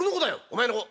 「お前の子。